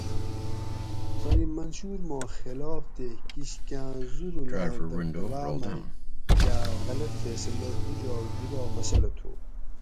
تانی منشور ما خلاف تے کِش کاۤں زورول آں دبدباۤ مئ یاۤ غلط فیصلہ بوجاگ جُدا مسلہ تھُو